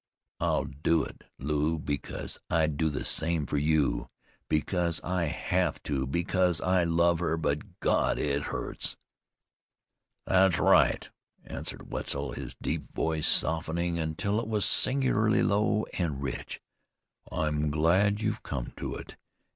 "I'll do it, Lew, because I'd do the same for you; because I have to, because I love her; but God! it hurts." "Thet's right," answered Wetzel, his deep voice softening until it was singularly low and rich. "I'm glad you've come to it.